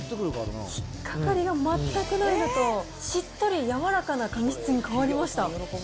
引っ掛かりが全くないのと、しっとり柔らかな髪質に変わりました。